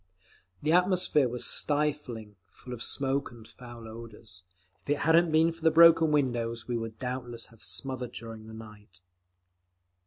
The atmosphere was stifling, full of smoke and foul odours; if it hadn't been for the broken windows we would doubtless have smothered during the night.